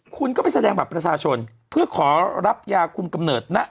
คุณก็ไปแสดงบัตรประชาชนเพื่อขอรับยาคุมกำเนิดนะ